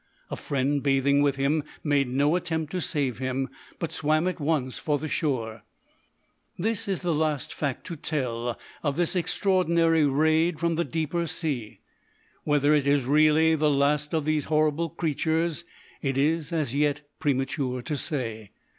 A friend bathing with him made no attempt to save him, but swam at once for the shore. This is the last fact to tell of this extraordinary raid from the deeper sea. Whether it is really the last of these horrible creatures it is, as yet, premature to say.